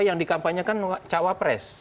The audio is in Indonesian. yang dikampanyekan cawapres